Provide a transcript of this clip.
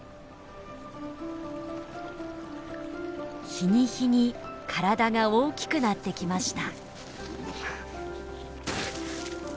日に日に体が大きくなってきました。